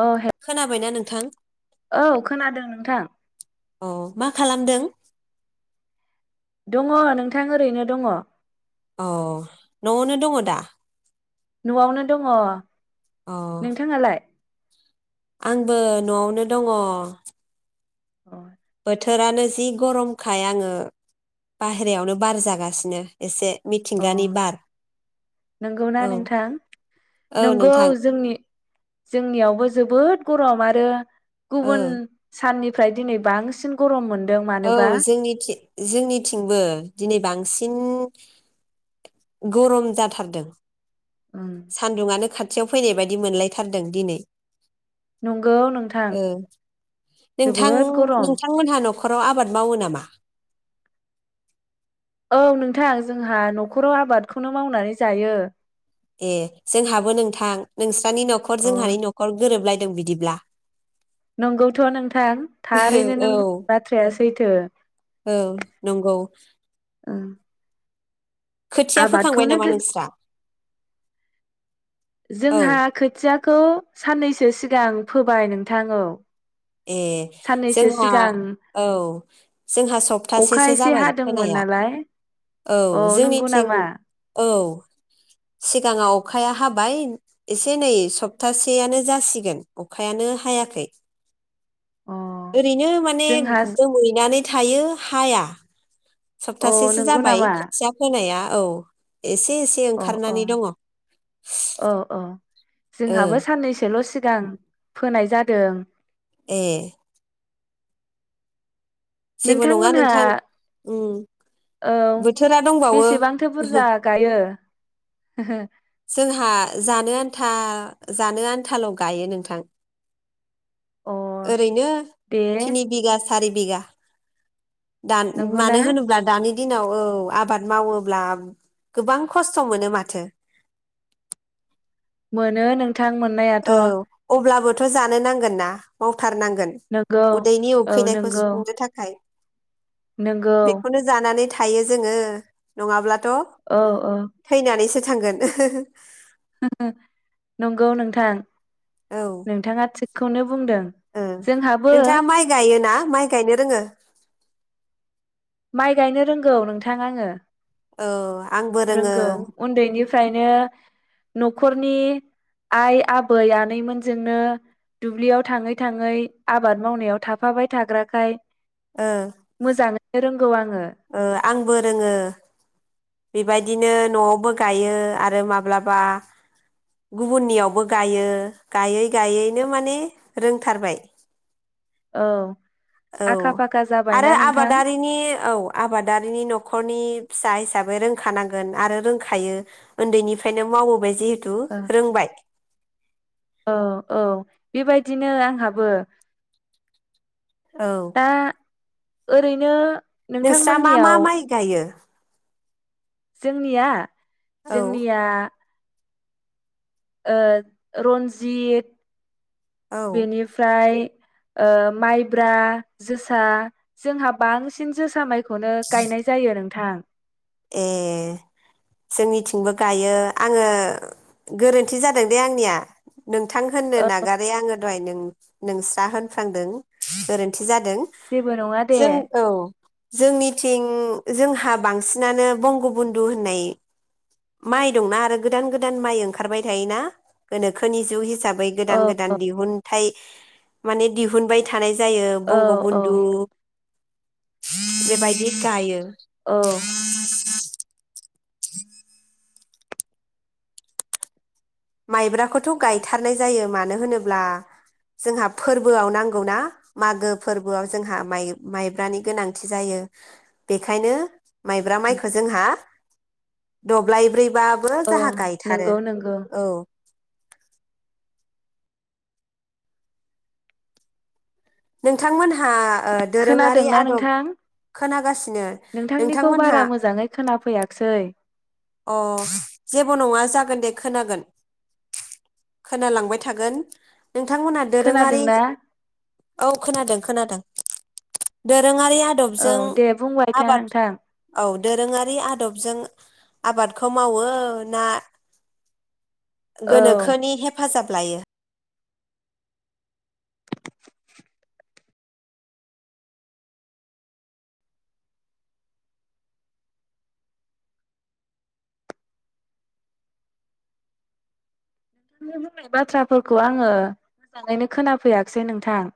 औ हे खोनाबायना नों थां। औ खोनादों नोंथां। औ मा खालामदों? दङ' नोंथां ओरैनो दङ'। औ न'आवनो दङ' दा? नआवनो दङ। अ नोंथाङालाय। आंबो न'आवनो दङ'। अ। थोरानो जि गरमखाय आङो बाहेरायावनो बार जागासिनो एसे। अ मिथिंगानि बार नंगौना औ नोंथां? औ नंगौ नोंथां जोंनि-जोंनियावबो जोबोद गरम आरो गुबुन औ साननि मफ्राय दिनै बांसिन गरम मोन औ जोंनिथि जोंनिथिंबो दिनै बांसि सिन गरम जाथारदों। उम सान्दुङनो खाथियाव फैनाय बायदि मोनलायथारदों दिनै। नंगौ नोंथां, ओ नोंथां जोबोद गरम। नोंथांमोनहा न'खराव आ औ नोंथां जोंहा न'खराव आबादखौनो मावनानै जायो। ए जोंहाबो नोंथां नोंस सानि नखर अ जोंहानि नखर गोरोबलाय दों बिदिब्ला नंगौथ' नोंथां थारैनो नों औ बुंनायबाथ्रायासो सैथो औ नंगौ ओ खोथिया फोखांबाय नामा नोंस्रा औ जोंहा खोथियाखौ साननैसो सि गां फोबाय नोंथां औ ए साननैसो जोंहा सिगां औ जोंहा अखा सप्तासेसो एसे जाबाय हादोंमोन फोनाया नालाय औ नंगौ जोंनिथिं नामा औ सिगाङाव अखाया हाबाय एसे नै सप्तासेयानो जासिगोन अखायानो हायाखै अ ओरैनो माने जोंहा दोमैनानै थायो हाया अ सप्तासेसो नंगौ जाबाय नामा खोथिया फोनाया औ एसे एसे अ अ ओंखारनानै दङ औ औ जोंहाबो साननैसो ल' सिगां फोनाय जादों ए जेबो नङा नोंथांमोनहा नोंथां उम औ बोथोरा दंबावो बेसेबांथो बुरजा गायो जोंहा जानो आन्था जानो आन्थाल' गायो नोंथां ओरैनो दे थिनि बिगा सारि बिघा दान नंगौना मानो होनोब्ला दानि दिनाव औ आबाद मावोब्ला गोबां खस्थ' मोनो माथो मोनो नों औ अब्लाबो थ' जानो नांगोन ना माव थारनांगोन नंगौ उदैनि औ उखैनायखौ नंगौ सुफुंनो थाखाय नंगौ बेखौनो जानानै थां थायो जोङो नङाब्ला थ औ औ थैनानैसो थांगोन ओ हो हो ओ ओ नंगौ नोंथां औ नोंथाङा थिग खौनोब ओ नोंथाङा माइ गायोना माइ गायनो रोङो माइ गायनो रोंगौ नोंथां आंङो औ आंबो रोङो फ्रायनो न'खरनि आइ आबै आनैमोनजोंनो दुब्लियाव थाङै थाङै आबाद मावनायाव थाफाबाय थाग्राखाय ओ मोजाङै ओ आंबो रोङो बेबायदिनो न'आवबो गायो आरो माब्लाबा गुबुननियावबो गायो गायै गायैनो माने रोंथारबाय औ औ आखा फाखा आरो जाबायना नोंथां आबादारिनि औ आबादारिनि न'खरनि फिसा हिसाब हिसाबै रोंखानांगोन आरो रोंखायो उन्दैनिफ्रायनो मावबो बे जितु थु रोंबाय ओ औ बेबायदिनो आंहाबो औ दा ओरैनो नोंस्रा मा मा नोंथांमोननियाव माइ गायो जोंनिया औ जोंनिया ओ रन्जित औ बेनिफ्राय ओ माइब्रा जोसा जोंहा बांसिन जोसा माइ बेखौनो गायनाय जायो नों थां ए जोंनिथिंबो गायो‌। आङो गोरोन्थि जादों दे आंनिया नोंथां होननो ओ नागारै आङो द नोंस्रा होनफ्लांदों गोरोन्थि जादों। जेबो नङा दे जों औ जोंनिथिं जोंहा बांसिन बांसिनानो बंग' बन्धु होननाय। माइ दंना आरो गोदान गोदान माइ ओंखारबाय थायोना गोनोखोनि जुग हिसा बै औ गोदान गोदान दिहुनथाइ माने थानाय जायो। औ बंग औ बन्धु बेबायदि गायो। औ [unintelligible] माइब्राखौथ' गायथारनाय जायो मानो होनोब्ला जोंहा फोरबोआव नांगौ ना मागो फोरबोआव जोंहा माइब्रानि गोनांथि जायो बेखायनो माइब्रा माइखौ जोंहा। दब्लाय ब्रै बाबो औ जाहा गायथारो नंगौ नंगौ [unintelligible] नोंथांमोनहा ओ दोरोङारि खोनादोंना आदब नोंथां खोनागासिनो नोंथांनिखौ नोंथांमोनहा बारा मोजाङै खोनाफैयाखिसै अ जेबो नङा जागोन दे खोनागोन खोनालांबाय थागोन। नोंथांमोनहा दोरोङारि। खोनादोंना औ खोनादों खोनादों दोरोङारिया औ आदबजों दे बुंबाय था आबाद नोंथां औ दोरोङारि आदबजों आबादखौ मावो ना औ गोनोखोनि हेफ हेफाजाब लायो नोंथांनि बुंनाय बाथ्राफोरखौ आङो मोजाङैनो खोनाफैयाखिसै नोंथां